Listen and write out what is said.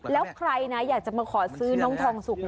แล้วใครนะอยากจะมาขอซื้อน้องทองสุก